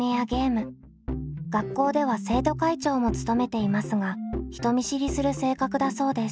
学校では生徒会長も務めていますが人見知りする性格だそうです。